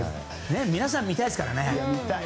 皆さん、見たいですからね。